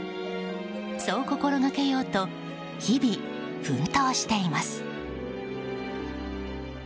そう心がけようと日々、奮闘しています。